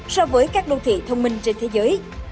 so với các đô thị thông minh trên thế giới